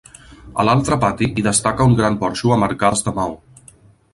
A l'altre pati hi destaca un gran porxo amb arcades de maó.